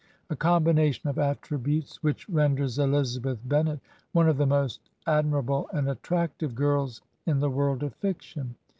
a com bination of attributes which renders Elizabeth Bennet one of the most admirable and attractive girls in the world of fiction.